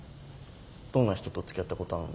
どんな人とつきあったことあるの？